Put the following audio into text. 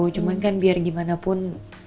cuman kan biar gimana pun